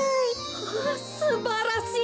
ああすばらしい！